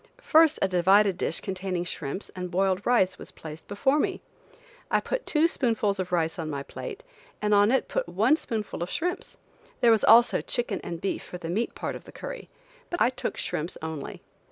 First a divided dish containing shrimps and boiled rice was placed before me. I put two spoonfuls of rice on my plate, and on it put one spoonful of shrimps; there was also chicken and beef for the meat part of the curry, but I took shrimps only.